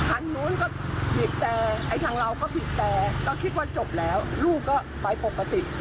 อันนู้นก็ผิดแต่ไอ้ทางเราก็ผิดแต่ก็คิดว่าจบแล้วลูกก็ไปปกติ